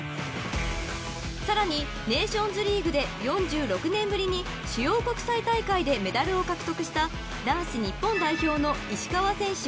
［さらにネーションズリーグで４６年ぶりに主要国際大会でメダルを獲得した男子日本代表の石川選手